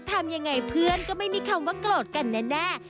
ทำยังไงเพื่อนก็ไม่มีคำว่าโกรธกันแน่